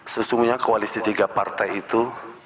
sesungguhnya koalisi tiga partai itu